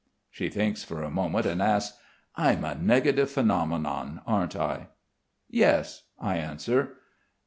She thinks for a moment, and asks: "I'm a negative phenomenon, aren't I?" "Yes," I answer.